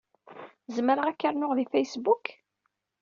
Zemreɣ ad ak-rnuɣ di Facebook?